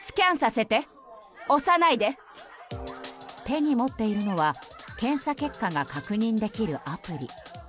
手に持っているのは検査結果が確認できるアプリ。